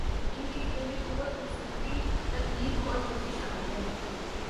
ان کے کھیل میں قوت، خوبصورتی ، تکنیک اور پھرتی شامل ہے۔